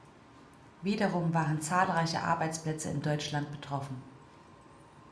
Wiederum waren zahlreiche Arbeitsplätze in Deutschland betroffen.